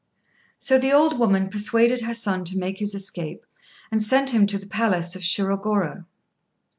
] So the old woman persuaded her son to make his escape, and sent him to the palace of Shirogorô.